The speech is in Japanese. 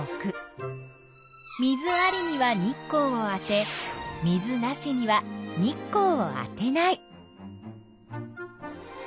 水ありには日光を当て水なしには日光を当てない。